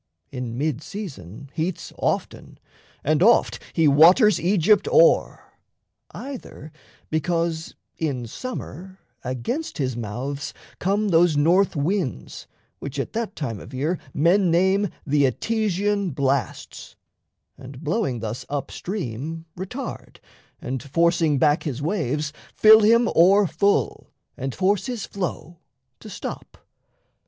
In mid season heats Often and oft he waters Aegypt o'er, Either because in summer against his mouths Come those northwinds which at that time of year Men name the Etesian blasts, and, blowing thus Upstream, retard, and, forcing back his waves, Fill him o'erfull and force his flow to stop.